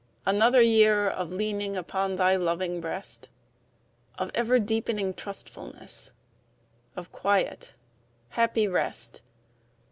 Another year of leaning Upon Thy loving breast, Of ever deepening trustfulness, Of quiet, happy rest.